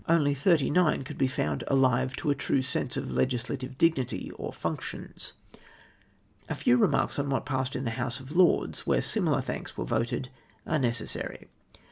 LOED MULGEAVE TUENS EOUND UPON ME. 117 could be found alive to a true sense of legislative dignity or fiinctions. A few remarks on what passed in the House of Lords, where similar thanks Avere voted, are necessary.